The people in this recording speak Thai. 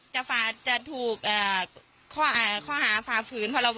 จะถูกคอหาฝากผลพรบอนภาพ